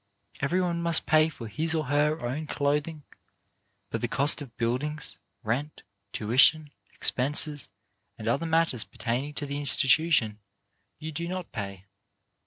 Every one must pay for his or her own clothing, but the cost of buildings, rent, tuition, expenses and other matters pertaining to the institution you do not pay.